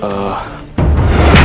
kita sudah berjalan ke tempat ini